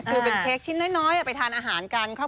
กลัวเป็นเค้กชิ้นน้อยไปทานอาหารกันครับ